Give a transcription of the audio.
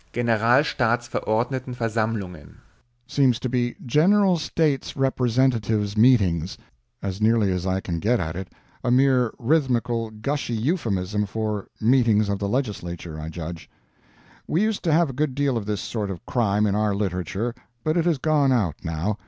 "Generalstaatsverordnetenversammlungen" seems to be "General statesrepresentativesmeetings," as nearly as I can get at it a mere rhythmical, gushy euphemism for "meetings of the legislature," I judge. We used to have a good deal of this sort of crime in our literature, but it has gone out now.